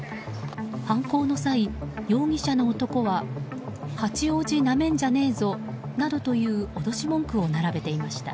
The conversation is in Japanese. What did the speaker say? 犯行の際、容疑者の男は八王子なめんじゃねえぞなどという脅し文句を並べていました。